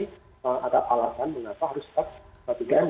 ada alasan mengapa harus tetap tiga m